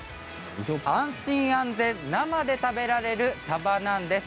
安心、安全生で食べられるサバなんです。